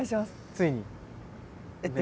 ついにね？